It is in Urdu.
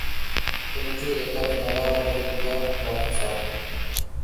تنوشری دتہ نے میرا ریپ کیا راکھی ساونت